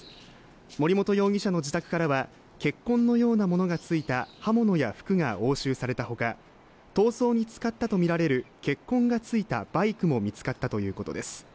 森本容疑者の自宅からは血痕のようなものがついた刃物や服が押収されたほか、逃走に使ったとみられる血痕が付いたバイクも見つかったということです。